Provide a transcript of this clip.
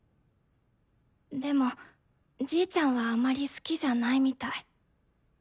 でもじいちゃんはあまり好きじゃないみたい。